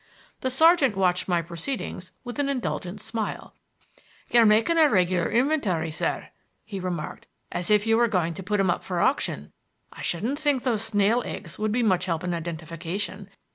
The sergeant watched my proceedings with an indulgent smile. "You're making a regular inventory, sir," he remarked, "as if you were going to put 'em up for auction. I shouldn't think those snails' eggs would be much help in identification.